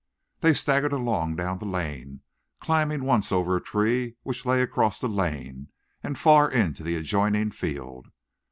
They staggered along down the lane, climbing once over a tree which lay across the lane and far into the adjoining field.